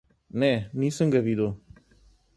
Ne, nisem ga videl.